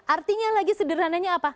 artinya lagi sederhananya apa